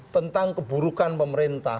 tentang keburukan pemerintah